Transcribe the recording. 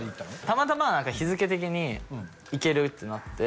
たまたま日付的に行けるってなって。